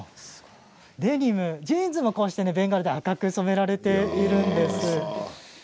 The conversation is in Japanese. デニム、ジーンズもベンガラで赤く染められているんです。